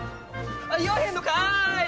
言わへんのかい！